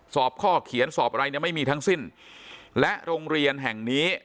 สอบข้อเขียนสอบอะไรเนี่ยไม่มีทั้งสิ้นและโรงเรียนแห่งนี้